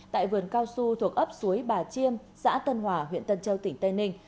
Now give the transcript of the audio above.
tại vườn cao su thuộc ấp suối bà chiêm xã tân hòa huyện tân châu tỉnh tây ninh